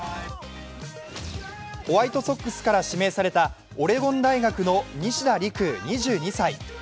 ホワイトソックスから指名されたオレゴン大学の西田陸浮２２歳。